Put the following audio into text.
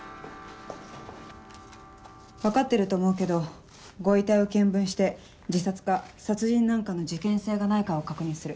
分かってると思うけどご遺体を検分して自殺か殺人なんかの事件性がないかを確認する。